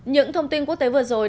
những thông tin quốc tế vừa rồi